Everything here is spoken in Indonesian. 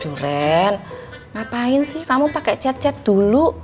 cucen ngapain sih kamu pakai chat chat dulu